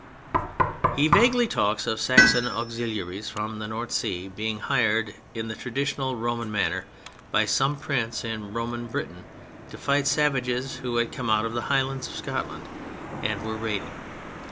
He vaguely talks of Saxon auxiliaries from the North Sea being hired (in the traditional Roman manner) by some Prince in Roman Britain to fight savages who had come out of the Highlands of Scotland and were raiding.